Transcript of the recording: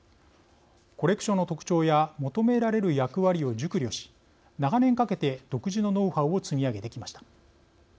コレクションの特徴や求められる役割を熟慮し長年かけて独自のノウハウを積み上げてきました。